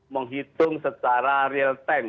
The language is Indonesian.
menghitung secara real time